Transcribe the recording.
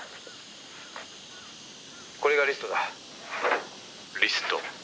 「これがリストだ」「リスト？」